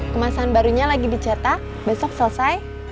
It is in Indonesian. kemasan barunya lagi dicetak besok selesai